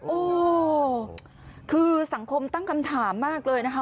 โอ้โหคือสังคมตั้งคำถามมากเลยนะคะ